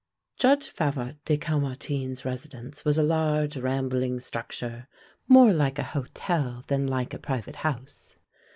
Judge Favart de Caumartin's residence was a large, rambling structure, more like a hotel than like a private house.